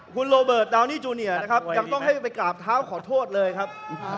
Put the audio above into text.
คุณโรเบิร์ตดาวนี่จูเนียนะครับยังต้องให้ไปกราบเท้าขอโทษเลยครับ